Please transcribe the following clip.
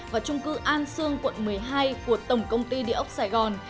và trung cư an sương quận một mươi hai của tổng công ty địa ốc sài gòn